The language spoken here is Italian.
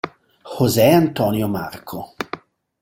José Antonio Marco